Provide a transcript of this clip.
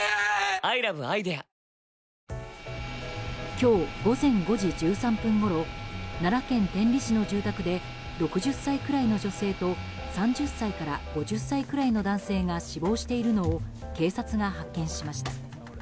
今日午前５時１３分ごろ奈良県天理市の住宅で６０歳くらいの女性と３０歳から５０歳くらいの男性が死亡しているのを警察が発見しました。